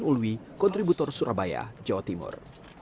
ulwi kontributor surabaya jawa timur